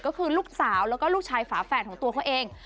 ก็คือลูกสาวแล้วก็ลูกชายฝาแฝดของตัวเขาเอง